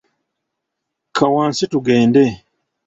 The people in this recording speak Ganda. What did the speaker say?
Kka wansi tugende.